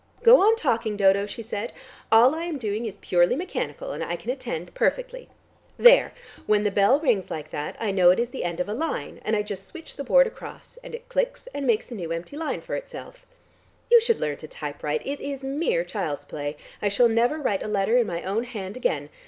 "Go on talking, Dodo," she said. "All I am doing is purely mechanical, and I can attend perfectly. There! when the bell rings like that, I know it is the end of a line, and I just switch the board across, and it clicks and makes a new empty line for itself. You should learn to typewrite; it is mere child's play. I shall never write a letter in my own hand again.